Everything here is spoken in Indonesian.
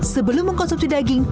sebelum mengkonsumsi daging